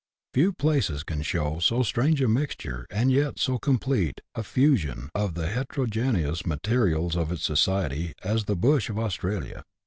Few places can show so strange a mixture, and yet so complete a " fusion," of the heterogeneous materials of its society, as " the Bush" of Australia.